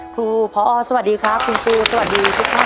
ครูพอสวัสดีครับคุณครูสวัสดีทุกท่าน